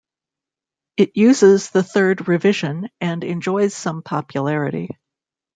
It uses the Third Revision and enjoys some popularity.